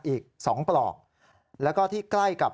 อีก๒ปลอกแล้วก็ที่ใกล้กับ